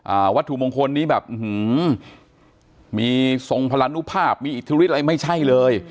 วัตถุมงคลนี้แบบอื้อหือมีทรงพลนุภาพมีอิทธิฤทธิอะไรไม่ใช่เลย